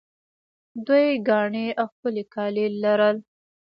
دوی ګاڼې او ښکلي کالي لرل